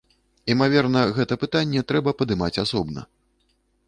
Імаверна, гэта пытанне трэба падымаць асобна.